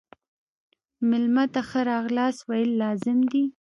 مېلمه ته ښه راغلاست ویل لازم دي.